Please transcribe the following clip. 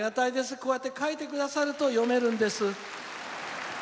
こうやって書いてくださると読めるんです。